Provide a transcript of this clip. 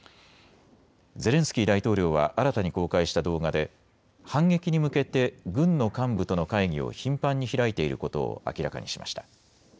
ゼレンスキー大統領は新たに公開した動画で反撃に向けて軍の幹部との会議を頻繁に開いていることを明らかにしました。